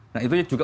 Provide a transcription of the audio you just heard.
nah itu juga